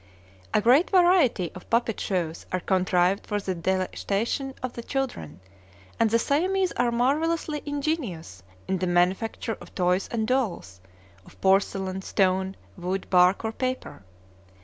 A great variety of puppet shows are contrived for the delectation of the children; and the Siamese are marvellously ingenious in the manufacture of toys and dolls, of porcelain, stone, wood, bark, and paper.